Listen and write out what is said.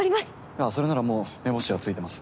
あっそれならもう目星はついてます。